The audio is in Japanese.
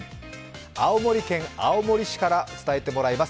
青森県青森市から伝えてもらいます。